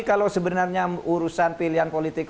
kalau sebenarnya urusan pilihan politik